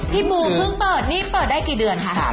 บูเพิ่งเปิดนี่เปิดได้กี่เดือนคะ